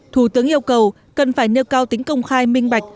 thủ tướng yêu cầu cần phải nêu cao tính công khai minh bạch